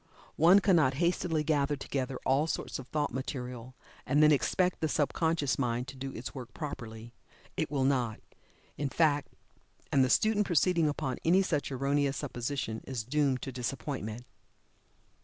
One cannot hastily gather together all sorts of thought material, and then expect the subconscious mind to do its work properly it will not, in fact, and the student proceeding upon any such erroneous supposition is doomed to disappointment.